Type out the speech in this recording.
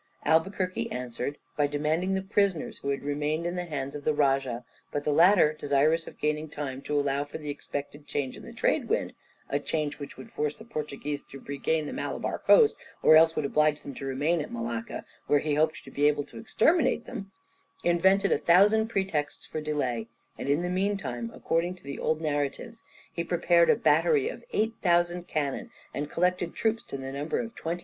Albuquerque answered by demanding the prisoners who had remained in the hands of the Rajah, but the latter, desirous of gaining time to allow for the expected change in the trade wind, a change which would force the Portuguese to regain the Malabar coast, or else would oblige them to remain at Malacca, where he hoped to be able to exterminate them, invented a thousand pretexts for delay, and in the meantime according to the old narratives, he prepared a battery of 8000 cannon, and collected troops to the number of 20,000.